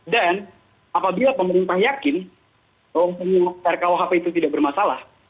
dan apabila pemerintah yakin rkuhp itu tidak bermasalah